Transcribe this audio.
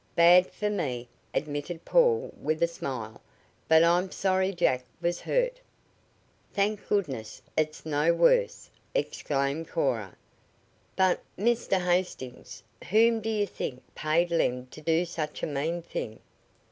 "Bad for me," admitted Paul with a smile. "But I'm sorry Jack was hurt." "Thank goodness it's no worse!" exclaimed Cora. "But, Mr. Hastings, whom do you think paid Lem to do such a mean thing?"